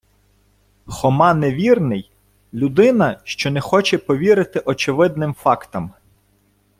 Хома невірний - людина, що не хоче повірити очевидним фактам